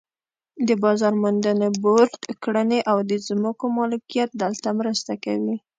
د بازار موندنې بورډ کړنې او د ځمکو مالکیت دلته مرسته کوي.